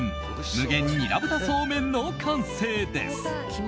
無限ニラ豚そうめんの完成です。